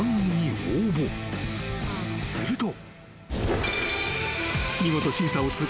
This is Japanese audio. ［すると］